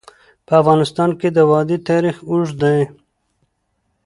په افغانستان کې د وادي تاریخ اوږد دی.